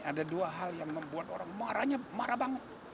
ada dua hal yang membuat orang marahnya marah banget